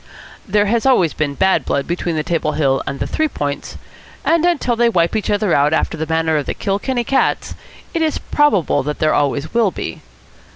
There has always been bad blood between the Table Hill and the Three Points, and until they wipe each other out after the manner of the Kilkenny cats, it is probable that there always will be.